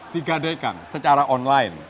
digadaikan secara online